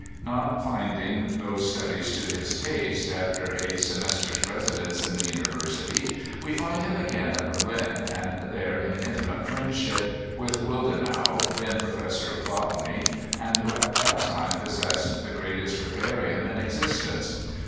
Not finding those studies to his taste, after a semestre's resi dence in the University we find him again at Berlin, and there in intimate friendship with Willdenow, then Professor of Botany, and who at that time possessed the greatest herbarium in exist ence.